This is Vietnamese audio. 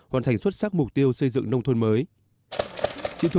hoàn thành xuất sắc mục tiêu xây dựng nông thôn mới